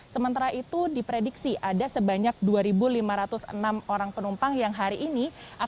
sementara itu diprediksi ada sebanyak dua lima ratus enam orang penumpang yang hari ini akan tiba di bandara